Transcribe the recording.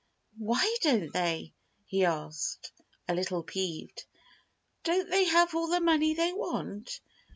"Why don't they?" he asked, a little peeved. "Don't they have all the money they want?"